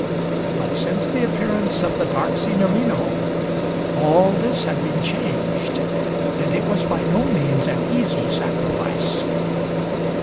But since the appearance of the dark Signorino, all this had been changed, and it was by no means an easy sacrifice.